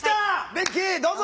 ベッキーどうぞ。